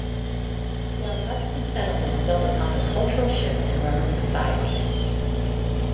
The Augustan settlement built upon a cultural shift in Roman society.